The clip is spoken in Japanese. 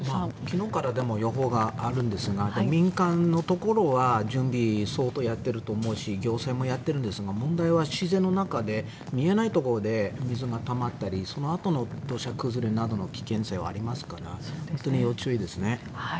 昨日から予報があるんですが民間のところは準備、相当やってると思うし行政もやってるんですが問題は自然の中で見えないところで水がたまったりそのあとの土砂崩れなどの危険性はありますから本当に要注意ですね。